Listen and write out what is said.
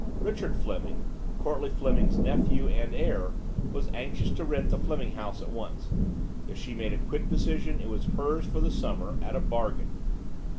Richard Fleming, Courtleigh Fleming's nephew and heir, was anxious to rent the Fleming house at once. If she made a quick decision it was hers for the summer, at a bargain.